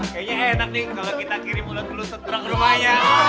kayaknya enak nih kalo kita kirim ulet bulu seterak ke rumahnya